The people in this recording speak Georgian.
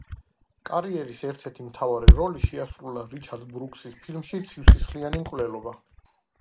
კარიერის ერთ-ერთი მთავარი როლი შეასრულა რიჩარდ ბრუკსის ფილმში „ცივსისხლიანი მკვლელობა“.